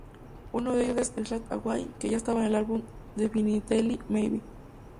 Uno de ellos es "Slide Away" que ya estaba en el álbum "Definitely Maybe".